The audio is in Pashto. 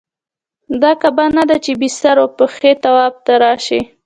دا کعبه نه ده چې بې سر و پښې طواف ته راشې.